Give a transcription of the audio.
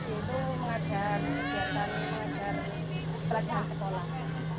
itu mengajar kegiatan mengajar pelatihan petolak